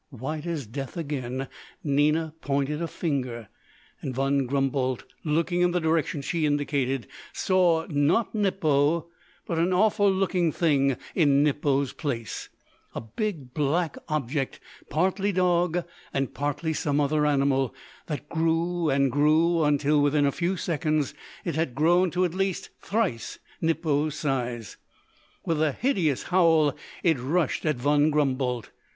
White as death again, Nina pointed a finger, and Von Grumboldt, looking in the direction she indicated, saw not Nippo, but an awful looking thing in Nippo's place a big black object, partly dog and partly some other animal, that grew and grew until, within a few seconds, it had grown to at least thrice Nippo's size. With a hideous howl it rushed at Von Grumboldt.